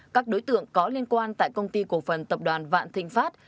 các đối tượng có liên quan tại công ty cổ phần tập đoàn vạn thịnh pháp